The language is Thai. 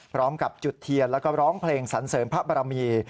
พร้อมกับจุดเทียนร้องเพล็งสันเสริมพระพระมี